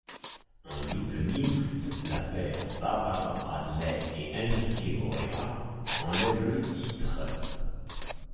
En double mixte, la paire Barbara Bradley et Enrique Morea enlève le titre.